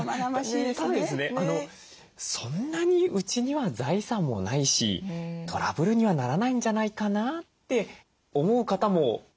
そんなにうちには財産もないしトラブルにはならないんじゃないかなって思う方も少なくないんじゃないかと思うんですけど。